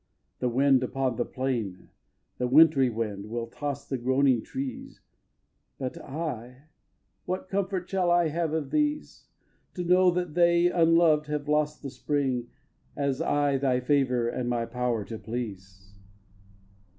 The wind upon the plain, The wintry wind, will toss the groaning trees; But I, what comfort shall I have of these, To know that they, unlov'd, have lost the Spring, As I thy favour and my power to please?